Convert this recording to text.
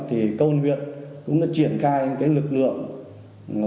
thì cầu huyện cũng đã triển khai cái lực lượng